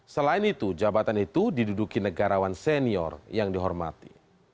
selain itu jabatan itu diduduki negarawan senior yang dihormati